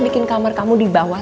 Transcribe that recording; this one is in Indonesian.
bikin kamar kamu di bawah